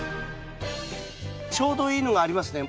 ちょうどいいのがありますね。